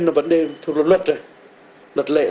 nó vẫn đem thuộc luật lệ